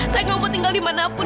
saya gak mau tinggal di manapun